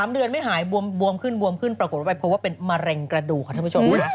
๓เดือนไม่หายบวมขึ้นปรากฏไปเพราะว่าเป็นมะเร็งกระดูกค่ะท่านผู้ชม